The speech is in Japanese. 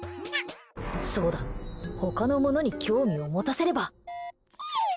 そうだ、他のものに興味を持たせれば。